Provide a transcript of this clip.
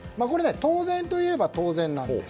当然といえば当然なんです。